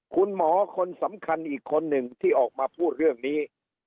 คุณหมอคนสำคัญอีกคนหนึ่งที่ออกมาพูดเรื่องนี้